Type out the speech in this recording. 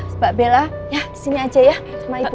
mbak bella ya di sini aja ya sama ibu